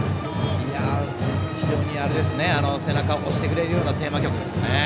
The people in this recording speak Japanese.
非常に背中を押してくれるようなテーマ曲ですね。